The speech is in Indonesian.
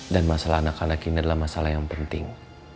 dan masalah anak anak ini adalah masalah yang penting